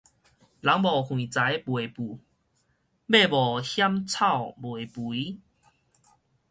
人無橫財袂富，馬無險草袂肥